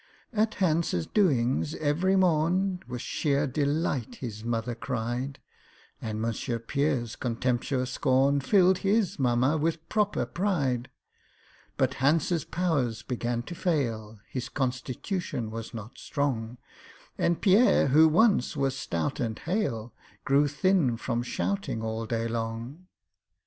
At HANCE'S doings every morn, With sheer delight his mother cried; And MONSIEUR PIERRE'S contemptuous scorn Filled his mamma with proper pride. But HANCE'S powers began to fail— His constitution was not strong— And PIERRE, who once was stout and hale, Grew thin from shouting all day long.